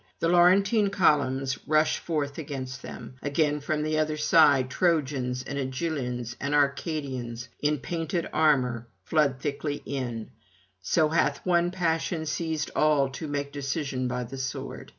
The Laurentine columns rush forth against them; again from the other side Trojans and Agyllines and Arcadians in painted armour flood thickly in: so hath one passion seized all to make decision by the sword.